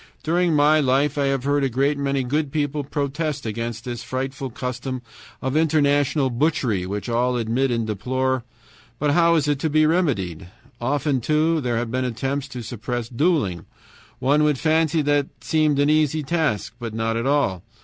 "During my life I have heard a great many good people protest against this frightful custom of international butchery, which all admit and deplore; but how is it to be remedied? "Often, too, there have been attempts to suppress dueling; one would fancy that seemed an easy task: but not at all!